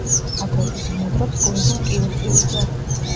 აგრეთვე ბინადრობს კუნძულ კიუსიუზე.